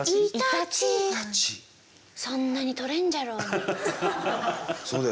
そんなにとれんじゃろうに。